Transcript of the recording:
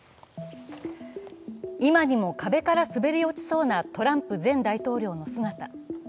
今にも壁から滑り落ちそうなトランプ前大統領の姿。